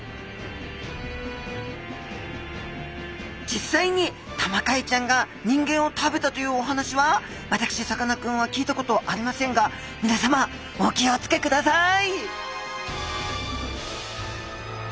実際にタマカイちゃんが人間を食べたというお話は私さかなクンは聞いたことありませんがみなさまお気を付けください